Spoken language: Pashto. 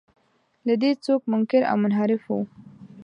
له دې څوک منکر او منحرف و.